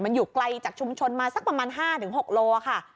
มันอยู่ไกลจากชุมชนมาสักประมาณ๕๖โลค่ะ